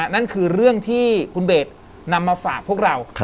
นั่นคือเรื่องที่คุณเบสนำมาฝากพวกเรา